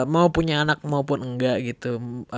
mau punya anak maupun enggak gitu